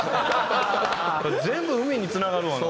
全部海につながるわな。